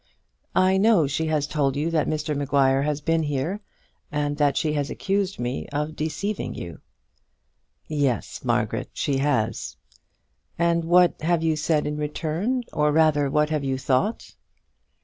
"I know she has told you that Mr Maguire has been here, and that she has accused me of deceiving you." "Yes, Margaret, she has." "And what have you said in return; or rather, what have you thought?"